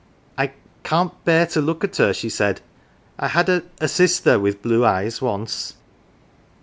" I can't bear to look at her," she said. " I had a sister with blue eyes once."